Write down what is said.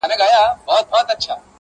زما د غیرت شمله به کښته ګوري!!